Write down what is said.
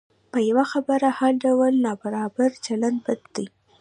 په یوه خبره هر ډول نابرابر چلند بد دی.